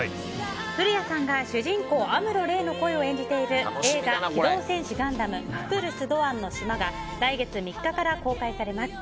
古谷さんが主人公アムロ・レイの声を演じている映画「機動戦士ガンダムククルス・ドアンの島」が来月３日から公開されます。